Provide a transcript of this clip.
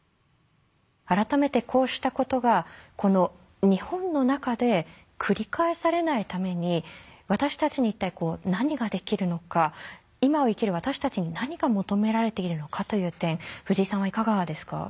改めてこうしたことがこの日本の中で繰り返されないために私たちに一体何ができるのか今を生きる私たちに何が求められているのかという点藤井さんはいかがですか？